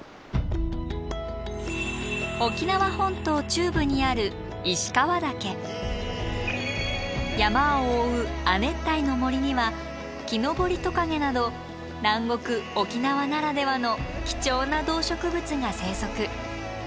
沖縄本島中部にある山を覆う亜熱帯の森にはキノボリトカゲなど南国沖縄ならではの貴重な動植物が生息。